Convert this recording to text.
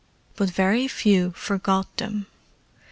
But very few forgot them.